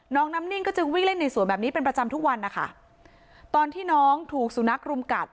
น้องน้ำนิ่งก็จึงวิ่งเล่นในสวนแบบนี้เป็นประจำทุกวันนะคะตอนที่น้องถูกสุนัขรุมกัด